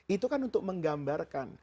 itu kan untuk menggambarkan